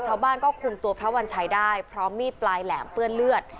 ชาวบ้านก็คุมตัวพระวัญชัยได้พร้อมมีดปลายแหลมเปื้อนเลือด